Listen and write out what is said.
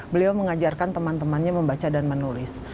beliau mengajarkan teman temannya membaca dan menulis